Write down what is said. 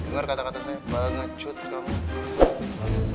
dengar kata kata saya pengecut kamu